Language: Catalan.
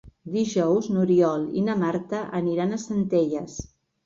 Dijous n'Oriol i na Marta aniran a Centelles.